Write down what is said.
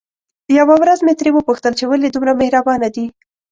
يوه ورځ مې ترې وپوښتل چې ولې دومره مهربانه دي؟